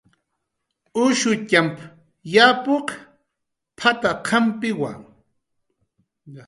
"Ushutxam yapuq p""at""aqampiwa"